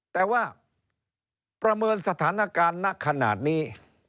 แต่ว่าประเมินสถานการณ์ณขนาดนี้